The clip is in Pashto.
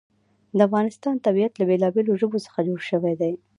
د افغانستان طبیعت له بېلابېلو ژبو څخه جوړ شوی دی.